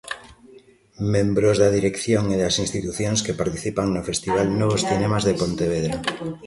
Membros da dirección e das institucións que participan no festival Novos Cinemas de Pontevedra.